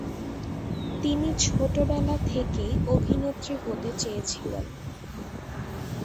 তিনি ছোটবেলা থেকেই অভিনেত্রী হতে চেয়েছিলেন।